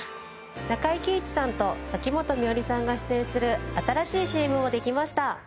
中井貴一さんと瀧本美織さんが出演する新しいＣＭもできました。